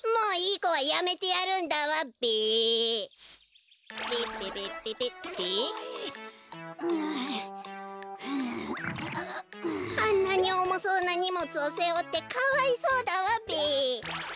こころのこえあんなにおもそうなにもつをせおってかわいそうだわべ。